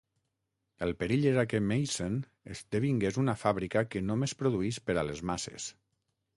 El perill era que Meissen esdevingués una fàbrica que només produís per a les masses.